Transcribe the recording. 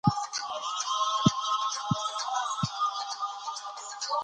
په دغي سمي لار مو هدايت كړې